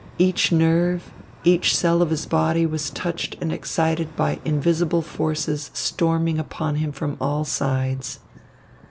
Each nerve, each cell of his body was touched and excited by invisible forces storming upon him from all sides.